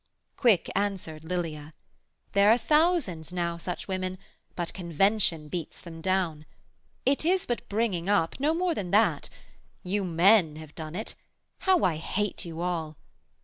Quick answered Lilia 'There are thousands now Such women, but convention beats them down: It is but bringing up; no more than that: You men have done it: how I hate you all!